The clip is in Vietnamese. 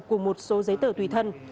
cùng một số giấy tờ tùy thân